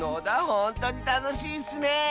ほんとにたのしいッスね！